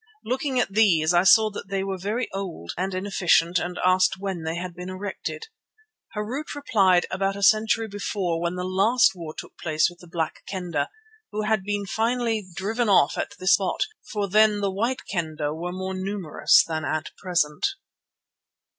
Looking at these I saw that they were very old and inefficient and asked when they had been erected. Harût replied about a century before when the last war took place with the Black Kendah, who had been finally driven off at this spot, for then the White Kendah were more numerous than at present.